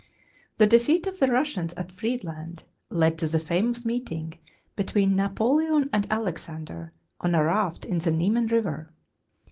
The defeat of the Russians at Friedland led to the famous meet ing between Napoleon and Alexander on a raft in the Niemen River.